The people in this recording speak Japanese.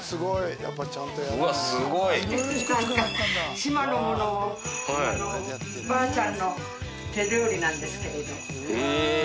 すごい！島のものをばあちゃんの手料理なんですけど。